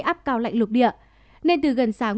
áp cao lạnh lục địa nên từ gần sáng